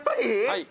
はい。